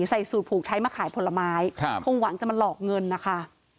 ใส่สูตรผูกไทยมาขายผลไม้คงหวังจะมาหลอกเงินนะคะ